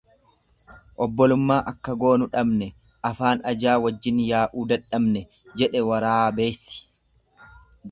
Obbolummaa akka goonu dhabne, afaan ajaa wajjin yaa'uu dadhabne jedhe waraabeysi.